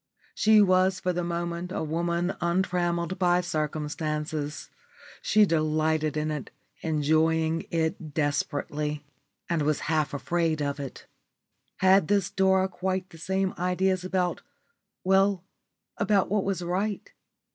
She was for the moment a woman untrammelled by circumstances. She delighted in it, enjoyed it desperately, and was half afraid of it. Had this Dora quite the same ideas about well, about what was right?